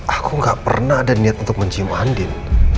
aku gak pernah ada niat untuk mencium andin